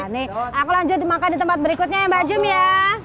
nih aku lanjut makan di tempat berikutnya ya mbak jumy ya